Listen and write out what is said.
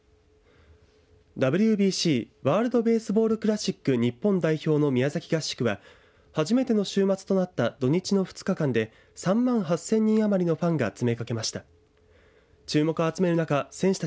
ＷＢＣ＝ワールド・ベースボール・クラシック日本代表の宮崎合宿は初めての週末となった土日の２日間で３万８０００人余りのファンが詰めかけました。